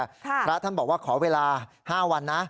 พระท่านบอกว่าขอเวลา๕วันนะ